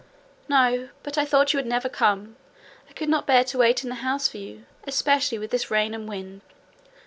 "No, but I thought you would never come. I could not bear to wait in the house for you, especially with this rain and wind."